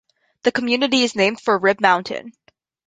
The community is named for Rib Mountain.